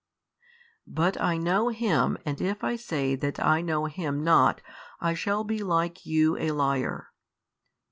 But I know Him and if I say that I know Him not I shall be like you a liar.